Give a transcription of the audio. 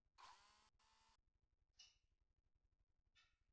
Beste osagai batzuk, kamerak eta prozesadoreak esaterako, sakonki aztertu dituzte.